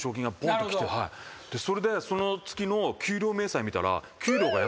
それでその月の給料明細見たら。